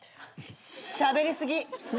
しゃべり過ぎ。